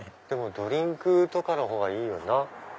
ドリンクとかの方がいいよな。